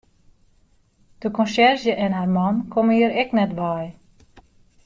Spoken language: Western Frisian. De konsjerzje en har man komme hjir ek net wei.